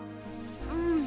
うん。